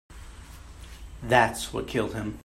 That's what killed him.